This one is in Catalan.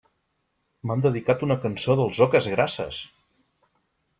M'han dedicat una cançó dels Oques Grasses!